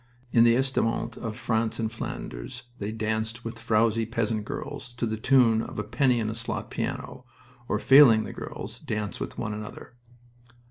In the estaminets of France and Flanders they danced with frowzy peasant girls to the tune of a penny in the slot piano, or, failing the girls, danced with one another.